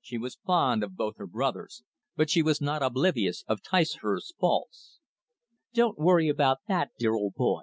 She was fond of both her brothers, but she was not oblivious of Ticehurst's faults. "Don't worry about that, dear old boy.